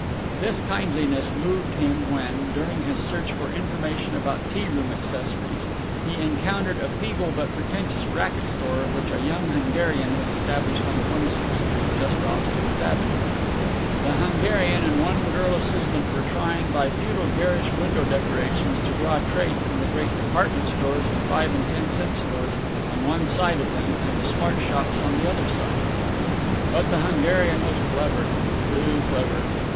This kindliness moved him when, during his search for information about tea room accessories, he encountered a feeble but pretentious racket store which a young Hungarian had established on Twenty sixth Street, just off Sixth Avenue. The Hungarian and one girl assistant were trying by futile garish window decorations to draw trade from the great department stores and the five and ten cent stores on one side of them and the smart shops on the other side. But the Hungarian was clever, too clever.